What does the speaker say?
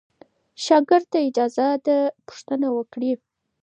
شاګرد ته اجازه ده پوښتنه وکړي.